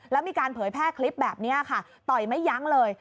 แล้วมีการเผยแพร่คลิปแบบนี้ค่ะต่อยไม่ยั้งเลย